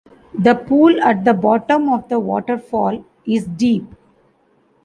The pool at the bottom of the waterfall is deep.